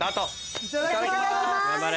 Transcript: ・いただきます。